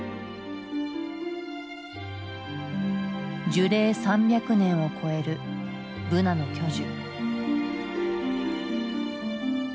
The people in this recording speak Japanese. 樹齢３００年を超えるブナの巨樹。